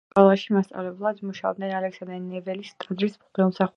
სკოლაში მასწავლებლებად მუშაობდნენ ალექსანდრე ნეველის ტაძრის მღვდელმსახურები.